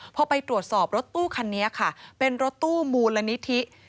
พอไปตรวจสอบรถตู้คันนี้ค่ะเป็นรถตู้มูลนิธิ